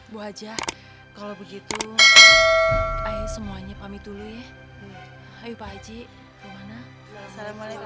wajah kalau begitu semuanya kami dulu ya ayo pak haji gimana salamualaikum